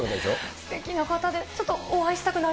すてきな方で、ちょっとお会